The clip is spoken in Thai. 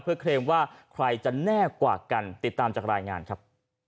เพื่อเคลมว่าใครจะแน่กว่ากันติดตามจากรายงานครับ